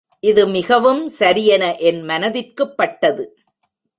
இது மிகவும் சரியென என் மனத்திற்குப் பட்டது.